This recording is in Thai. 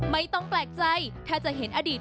ไม่ต้องแปลกใจถ้าจะเห็นอดีต